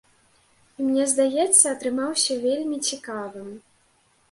І мне здаецца, атрымаўся вельмі цікавым.